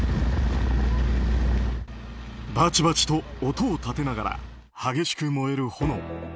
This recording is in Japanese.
バチバチと音を立てながら激しく燃える炎。